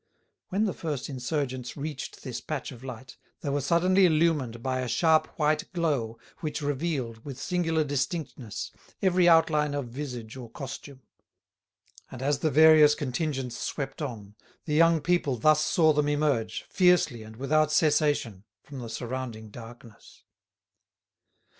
When the first insurgents reached this patch of light they were suddenly illumined by a sharp white glow which revealed, with singular distinctness, every outline of visage or costume. And as the various contingents swept on, the young people thus saw them emerge, fiercely and without cessation, from the surrounding darkness.